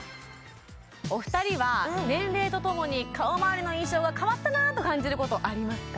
お二人は年齢とともに顔周りの印象が変わったなと感じることありますか？